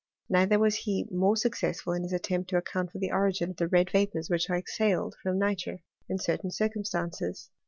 Neither was he more successful in his attempt to account for the origin of the red vapours which are exhaled from nitre in certain circumstances.